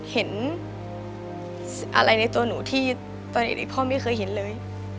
เห็นอะไรในตัวหนูที่ตอนเด็กพ่อไม่เคยเห็นเลย